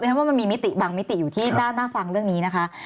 ด้วยเพราะว่ามันมีบางมิติอยู่ที่หน้าฟังเรื่องนี้นะคะ